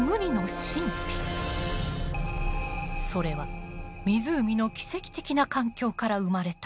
それは湖の奇跡的な環境から生まれた。